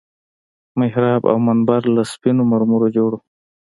محراب او منبر له سپينو مرمرو جوړ وو.